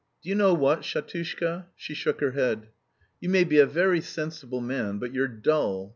"Do you know what, Shatushka?" She shook her head. "You may be a very sensible man but you're dull.